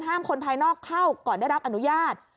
คนภายนอกเข้าก่อนได้รับอนุญาต